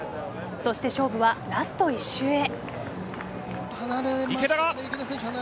そして勝負はラストの一周へ。